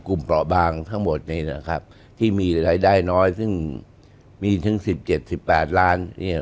กลุ่มกล่อบางทั้งหมดนี้นะครับที่มีรายได้น้อยซึ่งมีถึง๑๗๑๘ล้าน